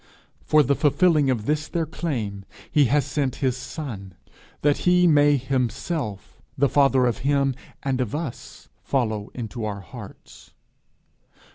For the fulfilling of this their claim he has sent his son, that he may himself, the father of him and of us, follow into our hearts.